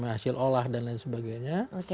hasil olah dan lain sebagainya